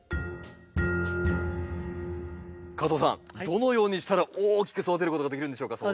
どのようにしたら大きく育てることができるんでしょうか？